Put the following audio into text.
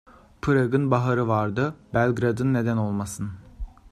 Prag'ın baharı vardı, Belgrad'ın neden olmasın?